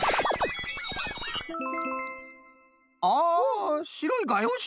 あしろいがようし？